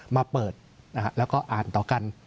มาเปิดแล้วก็อ่านต่อกัน